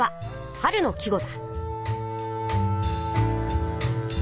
春の季語。